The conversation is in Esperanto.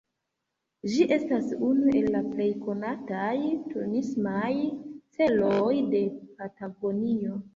Ĝi estas unu el la plej konataj turismaj celoj de Patagonio.